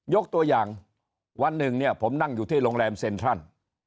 ยกตัวอย่างวันหนึ่งเนี่ยผมนั่งอยู่ที่โรงแรมเซ็นทรัล